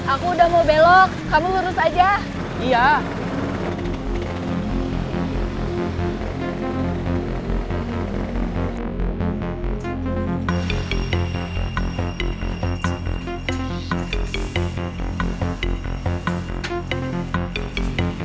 aku udah mau belok kamu lurus aja iya